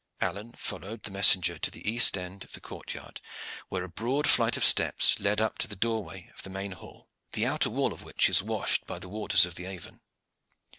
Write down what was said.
Alleyne followed the messenger to the east end of the courtyard, where a broad flight of steps led up to the doorway of the main hall, the outer wall of which is washed by the waters of the Avon.